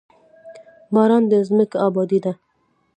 باران د ځمکې ابادي ده.